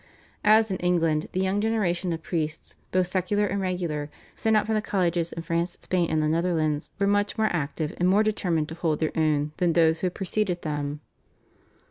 As in England, the young generation of priests both secular and regular, sent out from the colleges in France, Spain, and the Netherlands were much more active and more determined to hold their own than those who had preceded them.